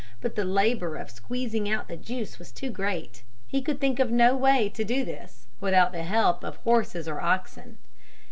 But the labor of squeezing out the juice was too great. He could think of no way to do this without the help of horses or oxen.